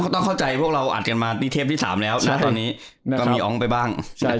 ต้องเข้าใจพวกเราอัดกันมานี่เทปที่๓แล้วนะตอนนี้ก็มีองค์ไปบ้าง